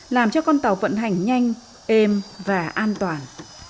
làm cho con tàu vận hành nhanh êm và an toàn